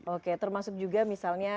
oke termasuk juga misalnya